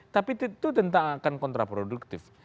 tapi itu tentang akan kontraproduktif